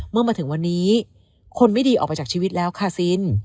เมื่อมาถึงวันนี้คนไม่ดีออกไปจากชีวิตแล้วคาซิน